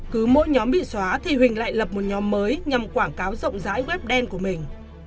cứ mỗi nhóm bị xóa thì huỳnh lại lập một nhóm mới nhằm quảng cáo rộng rãi web đen của mình